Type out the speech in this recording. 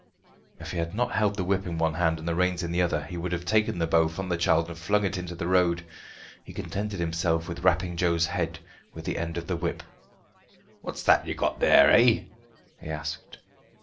If he had not held the whip in one hand and the reins in the other he would have taken the bow from the child and flung it into the road. He contented himself with rapping Joe's head with the end of the whip. "What's that you've got there, eh?" he asked.